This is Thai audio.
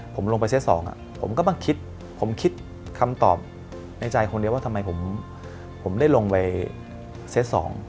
ผมลงไปเซต๒ผมก็มาคิดผมคิดคำตอบในใจคนเดียวว่าทำไมผมได้ลงไปเซต๒